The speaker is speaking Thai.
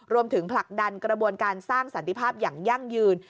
ผลักดันกระบวนการสร้างสันติภาพอย่างยั่งยืน